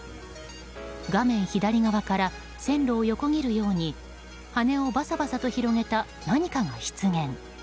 画面左側から線路を横切るように羽をバサバサと広げた何かが出現。